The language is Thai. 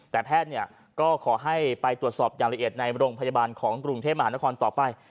แต่แพทย์ก็ขอให้ไปตรวจสอบอย่างละเอียดในโรงพยาบาลของกรุงเทพมหานครต่อไป